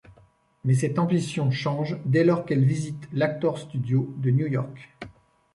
Mais cette ambition change dès lors qu'elle visite l'Actors Studio de New York.